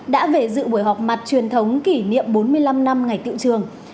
đã về dự buổi họp mặt truyền thống kỷ niệm bốn mươi năm năm ngày tự trường